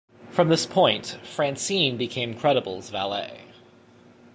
From this point, Francine became Credible's valet.